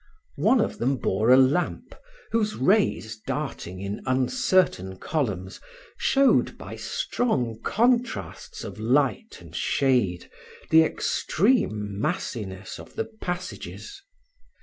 One of them bore a lamp, whose rays darting in uncertain columns, showed, by strong contrasts of light and shade, the extreme massiness of the passages.